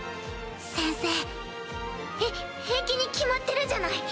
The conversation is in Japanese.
先生。へ平気に決まってるじゃない。